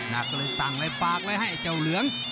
นักก็เลยสั่งไอ้ปากไว้ให้ไอ้เจ้าเหลือง